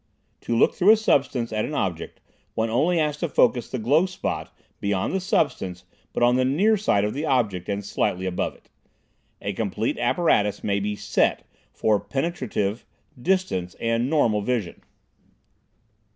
To look through a substance at an object, one has only to focus the glow spot beyond the substance but on the near side of the object and slightly above it. A complete apparatus may be "set" for "penetrative," "distance" and "normal vision."